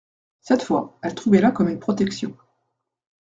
Cette fois, elle trouvait là comme une protection.